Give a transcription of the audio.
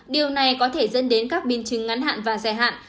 điều này có thể dẫn đến các biến chứng ngắn hạn và dài hạn